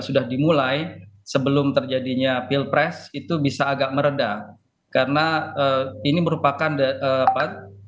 sudah dimulai sebelum terjadinya pilpres itu bisa agak meredah karena ini merupakan apa